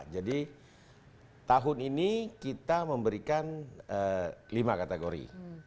jadi tahun ini kita memberikan lima kategori